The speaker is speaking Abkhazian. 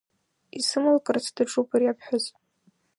Исымалкырц даҿуп ари аԥҳәыс.